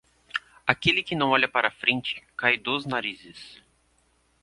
Aquele que não olha para frente cai dos narizes.